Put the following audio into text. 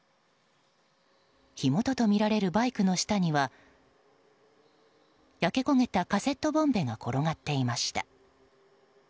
火元とみられるバイクの下には焼け焦げたカセットボンベが転がっていました。